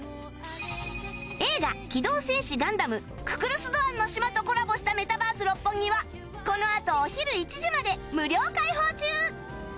映画『機動戦士ガンダムククルス・ドアンの島』とコラボしたメタバース六本木はこのあとお昼１時まで無料開放中！